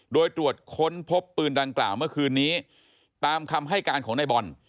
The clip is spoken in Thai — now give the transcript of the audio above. โดยตรวจค้นพบปืนดังกล่าวเมื่อคืนนี้ตามคำให้การของนายบอล